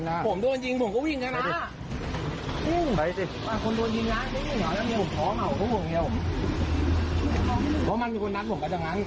ผมหายวิเวณอยู่ผมสู้ต่าง